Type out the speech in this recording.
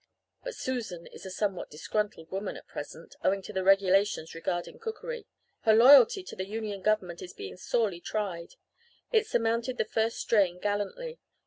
But Susan is a somewhat disgruntled woman at present, owing to the regulations regarding cookery. Her loyalty to the Union Government is being sorely tried. It surmounted the first strain gallantly.